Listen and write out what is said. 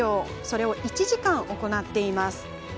それを１時間行っています。